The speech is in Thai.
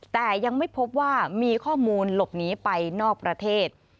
แต่ยังไม่พบว่ามีข้อมูลหลบหนีไปนอกประเทศ